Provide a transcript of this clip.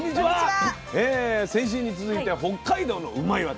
先週に続いて北海道のうまいッ！